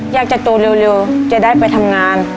อยากจะโตเร็วจะได้ไปทำงาน